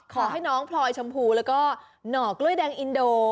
ขอให้น้องพลอยชมพูแล้วก็หน่อกล้วยแดงอินโด